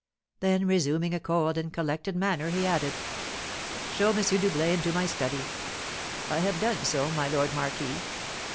Then, resuming a cold and collected manner, he added: "Show M. Doublet into my study." "I have done so, my lord marquis."